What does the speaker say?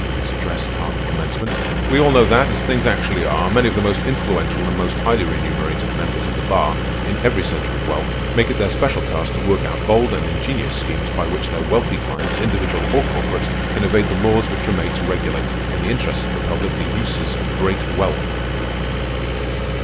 in his address at Harvard Commencement: "_We all know that, as things actually are, many of the most influential and most highly remunerated members of the Bar in every centre of wealth, make it their special task to work out bold and ingenious schemes by which their wealthy clients, individual or corporate, can evade the laws which were made to regulate, in the interests of the public, the uses of great wealth.